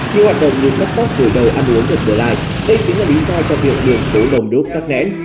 nhiều hoạt động những cấp tóc từ đầu ăn uống được vừa lại đây chính là lý do cho việc đường phố đồng đúc tắt nén